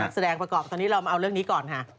แสดงประกอบตอนนี้เรามาเอาเรื่องนี้ก่อนค่ะ